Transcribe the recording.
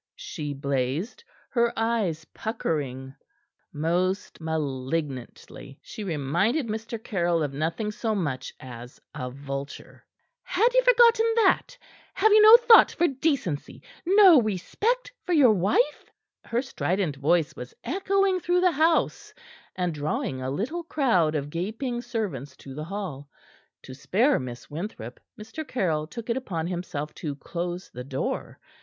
she blazed, her eyes puckering most malignantly. She reminded Mr. Caryll of nothing so much as a vulture. "Had ye forgotten that? Have ye no thought for decency no respect for your wife?" Her strident voice was echoing through the house and drawing a little crowd of gaping servants to the hall. To spare Mistress Winthrop, Mr. Caryll took it upon himself to close the door.